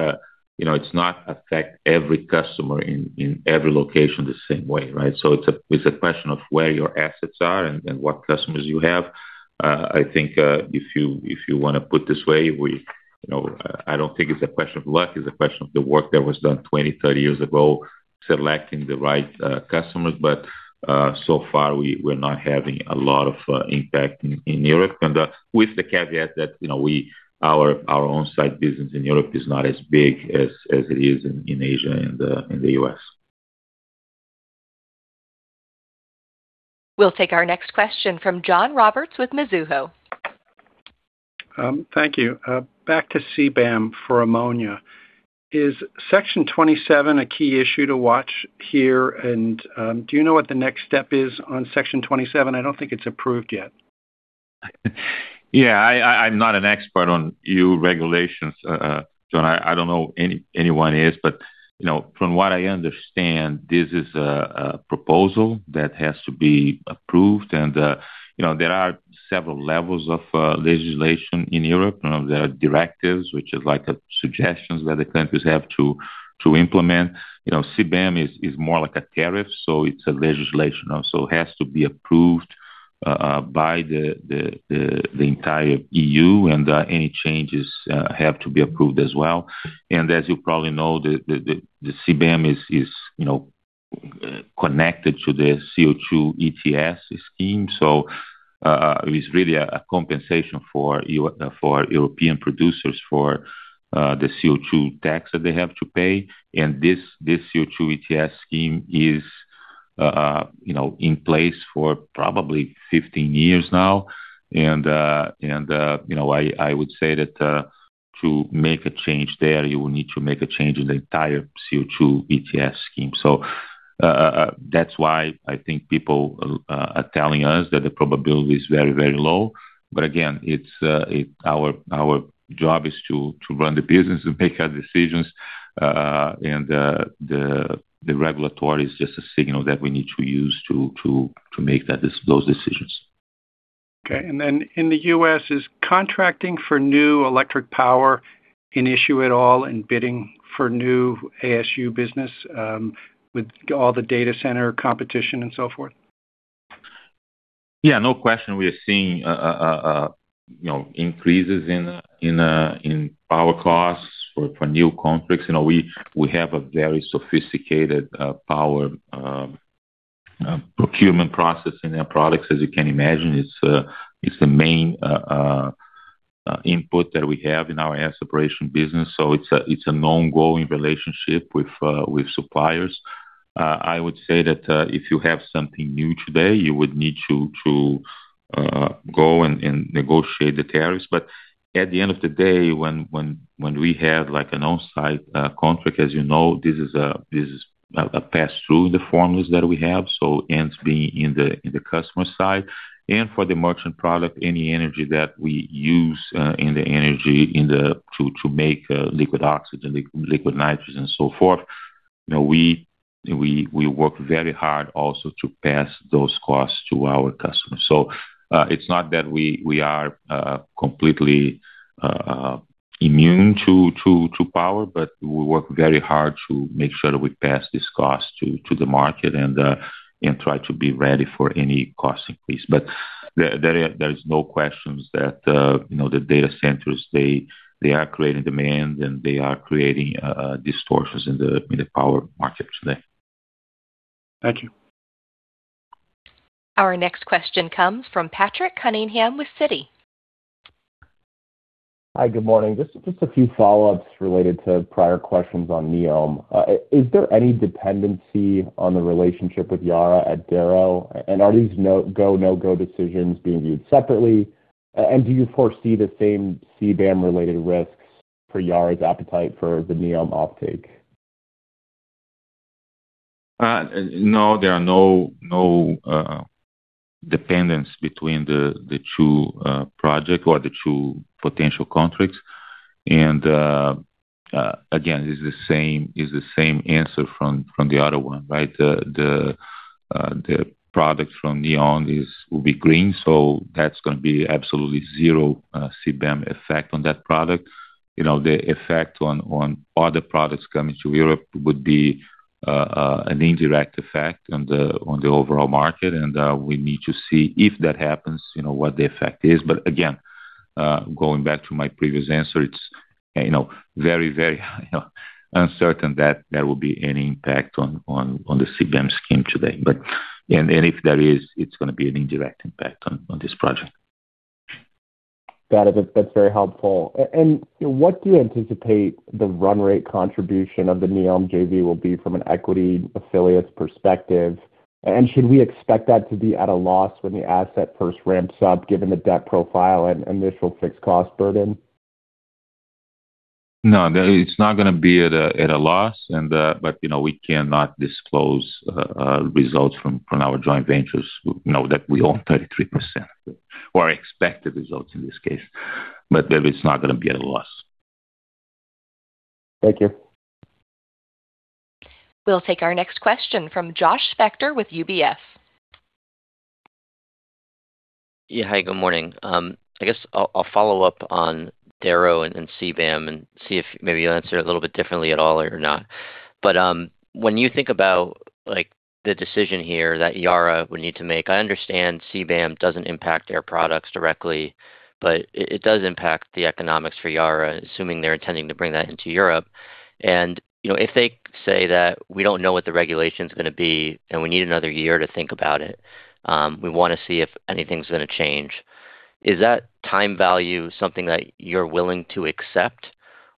you know, it's not affecting every customer in every location the same way, right? So it's a question of where your assets are and what customers you have. I think if you wanna put it this way, you know, I don't think it's a question of luck. It's a question of the work that was done 20, 30 years ago, selecting the right customers. But so far, we're not having a lot of impact in Europe, and with the caveat that, you know, our on-site business in Europe is not as big as it is in Asia and in the U.S.. We'll take our next question from John Roberts with Mizuho. Thank you. Back to CBAM for ammonia. Is Section 27 a key issue to watch here, and, do you know what the next step is on Section 27? I don't think it's approved yet. Yeah, I'm not an expert on EU regulations, John. I don't know anyone is, but you know, from what I understand, this is a proposal that has to be approved. And you know, there are several levels of legislation in Europe. You know, there are directives, which is like suggestions that the countries have to implement. You know, CBAM is more like a tariff, so it's a legislation, also has to be approved by the entire EU, and any changes have to be approved as well. And as you probably know, the CBAM is, you know, connected to the CO2 ETS scheme. So, it's really a compensation for European producers for the CO2 tax that they have to pay, and this CO2 ETS scheme is, you know, in place for probably 15 years now. And, you know, I would say that to make a change there, you will need to make a change in the entire CO2 ETS scheme. So, that's why I think people are telling us that the probability is very, very low. But again, it's. Our job is to run the business and make our decisions, and the regulatory is just a signal that we need to use to make those decisions. Okay. And then in the U.S., is contracting for new electric power an issue at all, in bidding for new ASU business, with all the data center competition and so forth? Yeah, no question. We are seeing, you know, increases in power costs for new contracts. You know, we have a very sophisticated power procurement process in our products. As you can imagine, it's the main input that we have in our air separation business, so it's an ongoing relationship with suppliers. I would say that if you have something new today, you would need to go and negotiate the tariffs. But at the end of the day, when we have, like, an on-site contract, as you know, this is a pass-through in the formulas that we have, so ends being in the customer side. For the merchant product, any energy that we use to make liquid oxygen, liquid nitrogen, so forth, you know, we work very hard also to pass those costs to our customers. So, it's not that we are completely immune to power, but we work very hard to make sure that we pass this cost to the market and try to be ready for any cost increase. But there is no questions that, you know, the data centers, they are creating demand, and they are creating distortions in the power market today. Thank you. Our next question comes from Patrick Cunningham with Citi. Hi, good morning. Just, just a few follow-ups related to prior questions on NEOM. Is there any dependency on the relationship with Yara at Darrow? And are these no-go, no-go decisions being viewed separately? And do you foresee the same CBAM-related risks for Yara's appetite for the NEOM offtake? No, there are no, no, dependence between the, the two, project or the two potential contracts. And, again, it's the same, it's the same answer from, from the other one, right? The, the, the products from NEOM is, will be green, so that's gonna be absolutely zero, CBAM effect on that product. You know, the effect on, on other products coming to Europe would be, an indirect effect on the, on the overall market, and, we need to see if that happens, you know, what the effect is. But again, going back to my previous answer, it's, you know, very, very, you know, uncertain that there will be any impact on, on, on the CBAM scheme today. But. And, if there is, it's gonna be an indirect impact on, on this project. Got it. That's, that's very helpful. And what do you anticipate the run rate contribution of the NEOM JV will be from an equity affiliates perspective? And should we expect that to be at a loss when the asset first ramps up, given the debt profile and initial fixed cost burden? No, it's not gonna be at a loss, and, but, you know, we cannot disclose results from our joint ventures. We know that we own 33%, or expected results in this case, but maybe it's not gonna be at a loss. Thank you. We'll take our next question from Josh Spector with UBS. Yeah, hi, good morning. I guess I'll follow up on Darrow and CBAM and see if maybe you'll answer it a little bit differently at all or not. But when you think about, like, the decision here that Yara would need to make, I understand CBAM doesn't impact Air Products directly, but it does impact the economics for Yara, assuming they're intending to bring that into Europe. And, you know, if they say that we don't know what the regulation's gonna be, and we need another year to think about it, we wanna see if anything's gonna change. Is that time value something that you're willing to accept,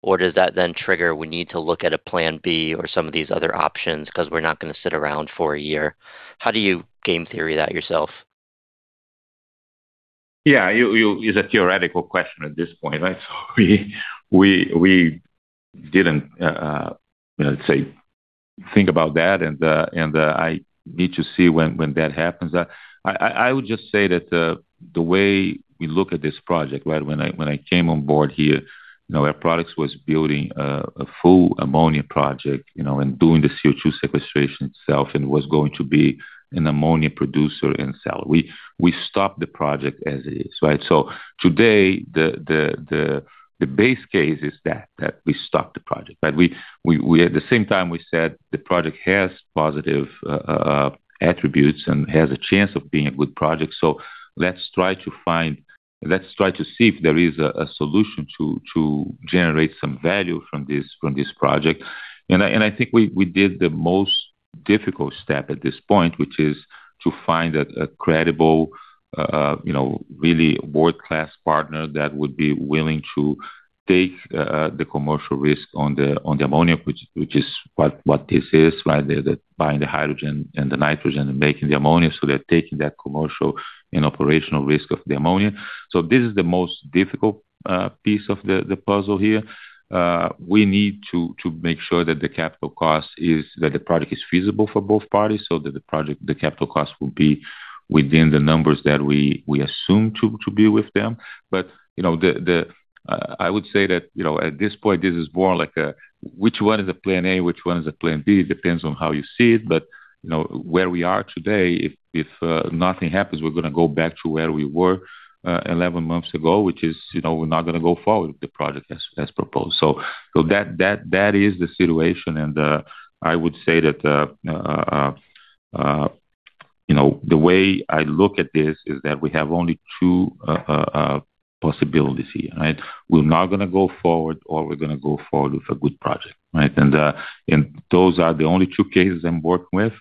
or does that then trigger, we need to look at a plan B or some of these other options, 'cause we're not gonna sit around for a year? How do you game theory that yourself? Yeah, you, you, it's a theoretical question at this point, right? So we didn't, let's say, think about that, and, and, I need to see when that happens. I would just say that, the way we look at this project, right, when I came on board here, you know, Air Products was building a full ammonia project, you know, and doing the CO2 sequestration itself and was going to be an ammonia producer and seller. We stopped the project as is, right? So today, the base case is that we stopped the project. But we at the same time, we said the project has positive attributes and has a chance of being a good project, so let's try to find—let's try to see if there is a solution to generate some value from this project. And I think we did the most difficult step at this point, which is to find a credible, you know, really world-class partner that would be willing to take the commercial risk on the ammonia, which is what this is, right? The buying the hydrogen and the nitrogen and making the ammonia, so they're taking that commercial and operational risk of the ammonia. So this is the most difficult piece of the puzzle here. We need to make sure that the capital cost is, that the product is feasible for both parties, so that the project, the capital cost will be within the numbers that we assume to be with them. But, you know, I would say that, you know, at this point, this is more like a which one is a plan A, which one is a plan B, depends on how you see it. But, you know, where we are today, if nothing happens, we're gonna go back to where we were, 11 months ago, which is, you know, we're not gonna go forward with the project as proposed. So that is the situation, and I would say that, you know, the way I look at this is that we have only two possibilities here, right? We're not gonna go forward, or we're gonna go forward with a good project, right? And those are the only two cases I'm working with.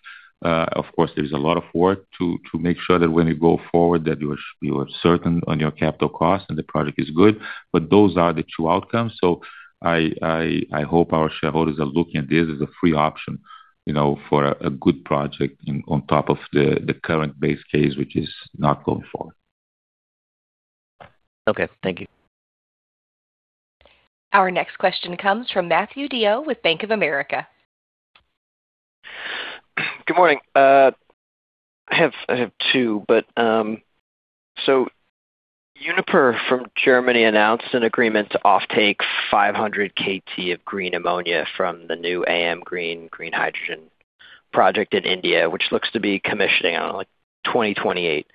Of course, there's a lot of work to make sure that when you go forward, that you are certain on your capital costs and the project is good. But those are the two outcomes. So I hope our shareholders are looking at this as a free option, you know, for a good project on top of the current base case, which is not going forward. Okay, thank you. Our next question comes from Matthew DeYoe with Bank of America. Good morning. I have two, but so Uniper from Germany announced an agreement to offtake 500 ktpa green ammonia from the new AM Green green hydrogen project in India, which looks to be commissioning on, like, 2028.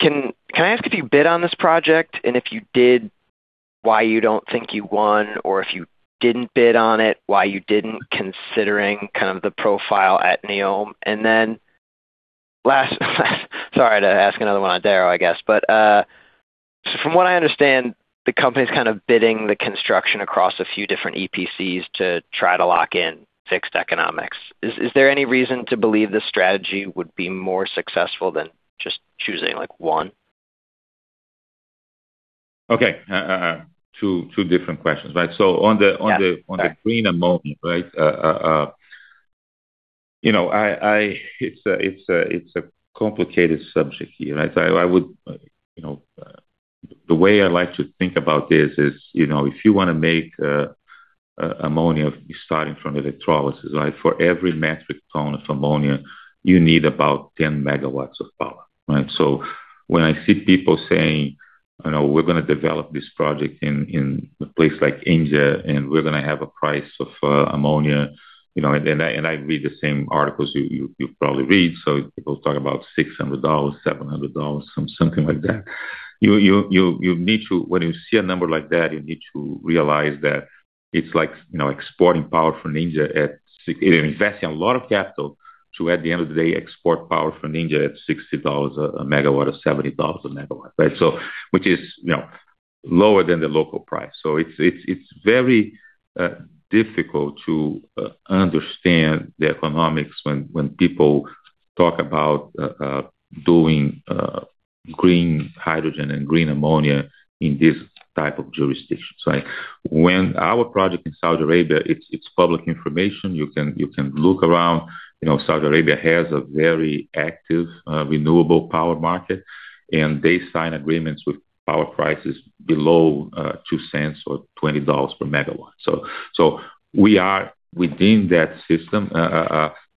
Can I ask if you bid on this project? And if you did, why you don't think you won, or if you didn't bid on it, why you didn't, considering kind of the profile at NEOM? And then last, sorry to ask another one on Darrow, I guess, but so from what I understand, the company's kind of bidding the construction across a few different EPCs to try to lock in fixed economics. Is there any reason to believe this strategy would be more successful than just choosing, like, one? Okay, two different questions, right? So on the. Yeah. On the green ammonia, right, you know, I, it's a complicated subject here, right? So I would. You know, the way I like to think about this is, you know, if you wanna make ammonia starting from electrolysis, right? For every metric ton of ammonia, you need about 10 MW of power, right? So when I see people saying, you know, we're gonna develop this project in a place like India, and we're gonna have a price of ammonia, you know, and I read the same articles you probably read, so people talk about $600, $700, something like that. You need to - when you see a number like that, you need to realize that it's like, you know, exporting power from India at six. You're investing a lot of capital to, at the end of the day, export power from India at $60 a MW or $70 a MW, right? So which is, you know, lower than the local price. So it's very difficult to understand the economics when people talk about doing green hydrogen and green ammonia in this type of jurisdictions, right? When our project in Saudi Arabia, it's public information. You can look around. You know, Saudi Arabia has a very active renewable power market, and they sign agreements with power prices below $0.02 or $20 per MW. So we are within that system.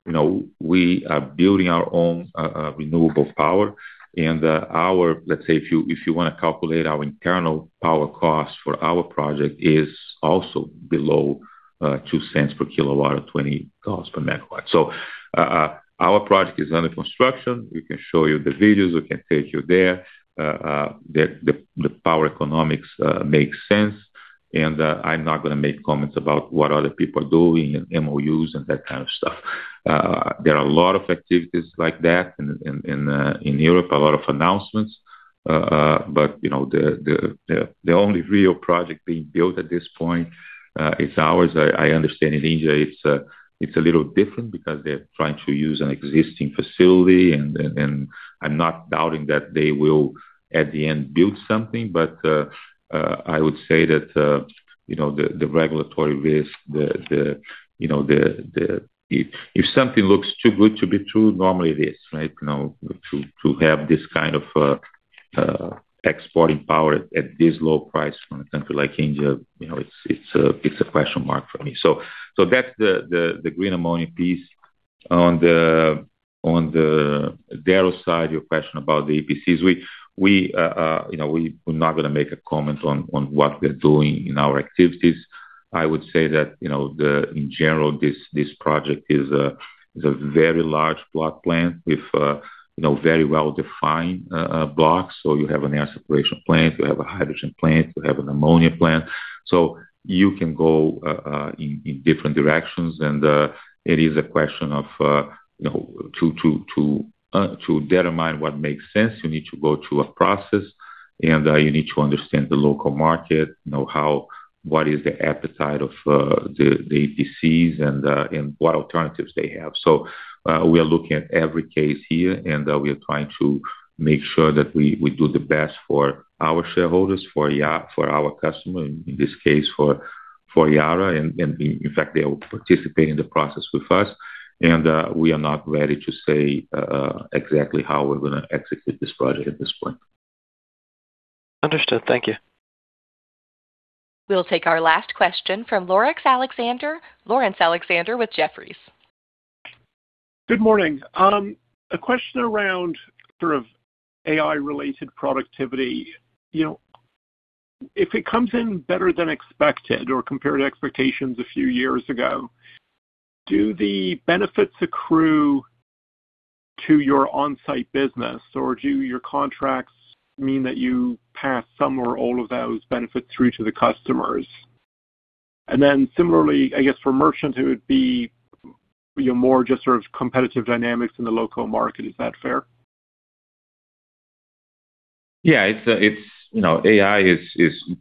You know, we are building our own renewable power, and our. Let's say, if you, if you wanna calculate our internal power cost for our project is also below $0.02 per kW or $20 per MW. So, our project is under construction. We can show you the videos, we can take you there. The power economics makes sense, and, I'm not gonna make comments about what other people are doing and MOUs and that kind of stuff. There are a lot of activities like that in Europe, a lot of announcements. But, you know, the only real project being built at this point is ours. I understand in India it's a little different because they're trying to use an existing facility, and I'm not doubting that they will, at the end, build something, but I would say that, you know, the regulatory risk, the, you know, the if something looks too good to be true, normally it is, right? You know, to have this kind of exporting power at this low price from a country like India, you know, it's a question mark for me. So that's the green ammonia piece. On the other side, your question about the EPCs, you know, we, we're not gonna make a comment on what we're doing in our activities. I would say that, you know, in general, this project is a very large block plant with, you know, very well-defined blocks. So you have an air separation plant, you have a hydrogen plant, you have an ammonia plant. So you can go in different directions, and it is a question of, you know, to determine what makes sense, you need to go through a process, and you need to understand the local market, know how what is the appetite of the EPCs and what alternatives they have. So, we are looking at every case here, and we are trying to make sure that we do the best for our shareholders, for Yara, for our customer, in this case, for Yara. And in fact, they will participate in the process with us, and we are not ready to say exactly how we're gonna execute this project at this point. Understood. Thank you. We'll take our last question from Laurence Alexander with Jefferies. Good morning. A question around sort of AI-related productivity. You know, if it comes in better than expected or compared to expectations a few years ago, do the benefits accrue to your on-site business, or do your contracts mean that you pass some or all of those benefits through to the customers? And then similarly, I guess for merchants, it would be, you know, more just sort of competitive dynamics in the local market. Is that fair? Yeah, it's, you know, AI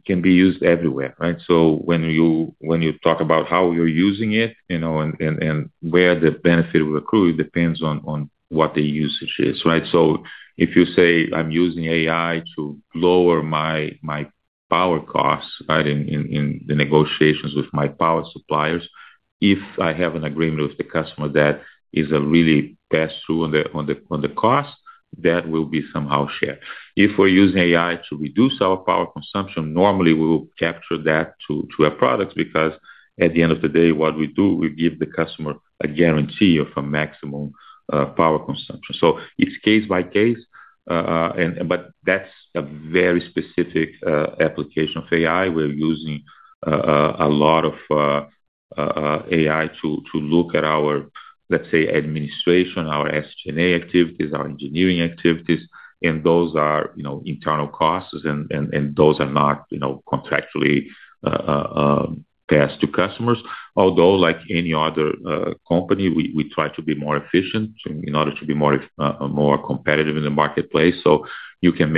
can be used everywhere, right? So when you talk about how you're using it, you know, and where the benefit will accrue, it depends on what the usage is, right? So if you say, "I'm using AI to lower my power costs," right, in the negotiations with my power suppliers, if I have an agreement with the customer that is a really passed through on the cost, that will be somehow shared. If we're using AI to reduce our power consumption, normally we will capture that to our products, because at the end of the day, what we do, we give the customer a guarantee of a maximum power consumption. So it's case by case, and but that's a very specific application of AI. We're using a lot of AI to look at our, let's say, administration, our SG&A activities, our engineering activities, and those are, you know, internal costs, and those are not, you know, contractually passed to customers. Although, like any other company, we try to be more efficient in order to be more competitive in the marketplace. So you can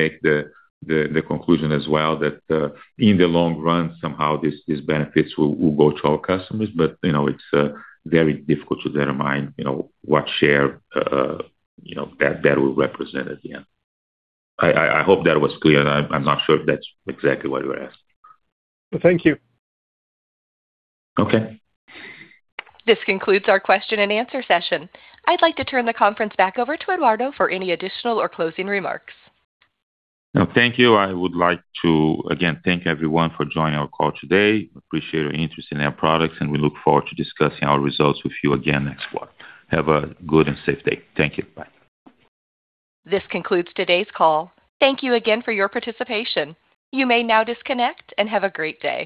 make the conclusion as well that, in the long run, somehow these benefits will go to our customers. But, you know, it's very difficult to determine, you know, what share, you know, that will represent at the end. I hope that was clear. I'm not sure if that's exactly what you were asking. Thank you. Okay. This concludes our question and answer session. I'd like to turn the conference back over to Eduardo for any additional or closing remarks. Thank you. I would like to, again, thank everyone for joining our call today. Appreciate your interest in our products, and we look forward to discussing our results with you again next quarter. Have a good and safe day. Thank you. Bye. This concludes today's call. Thank you again for your participation. You may now disconnect and have a great day.